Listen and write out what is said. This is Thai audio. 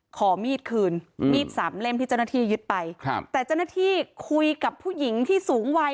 ขอมีดคืนมีดสามเล่มที่เจ้าหน้าที่ยึดไปครับแต่เจ้าหน้าที่คุยกับผู้หญิงที่สูงวัย